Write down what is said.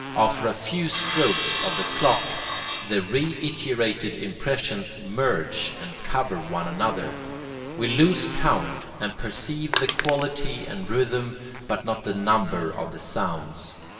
After a few strokes of the clock, the reiterated impressions merge and cover one another; we lose count and perceive the quality and rhythm but not the number of the sounds.